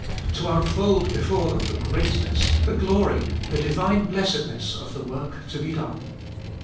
To unfold before them the greatness, the glory, the Divine blessedness of the work to be done.